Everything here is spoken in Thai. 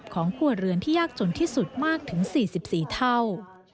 ครัวเรือนที่ยากจนที่สุดมากถึง๔๔เท่า